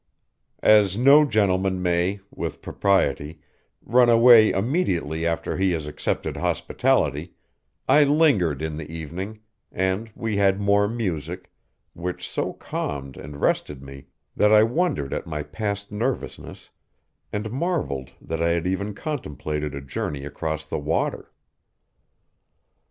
As no gentleman may, with propriety, run away immediately after he has accepted hospitality, I lingered in the evening, and we had more music, which so calmed and rested me that I wondered at my past nervousness and marvelled that I had even contemplated a journey across the water.